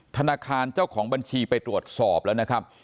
ธนาคารเจ้าของบัญชีไปตรวจสอบแล้วนะครับ